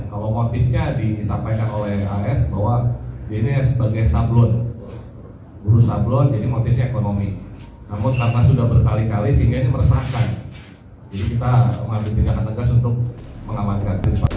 kalau motifnya disampaikan oleh hs bahwa ini sebagai sebuah